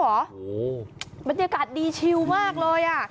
โหบรรยากาศดีชิลมากเลย